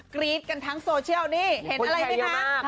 กรี๊ดกันทั้งโซเชียลนี่เห็นอะไรไหมคะ